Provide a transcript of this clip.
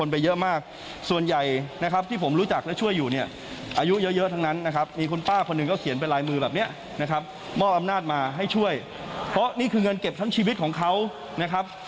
เพราะฉะนั้นชีวิตของเขานะครับ